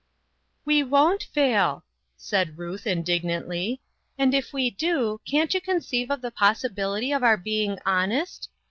" We won't fail," said Ruth indignantly, " and if we do, can't you conceive of the possibility of our being honest?